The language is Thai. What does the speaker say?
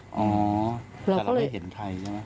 อ๋อแต่เราไม่เห็นใครใช่ไหม